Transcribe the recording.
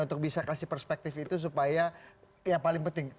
untuk bisa kasih perspektif itu supaya yang paling penting